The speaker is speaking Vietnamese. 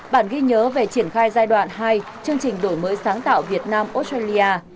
bản ghi nhớ về triển khai giai đoạn hai chương trình đổi mới sáng tạo việt nam australia